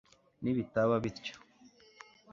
nibitaba bityo